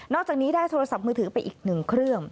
นอกจากนี้ได้โทรศัพท์มือถือไปอีก๑เครื่อง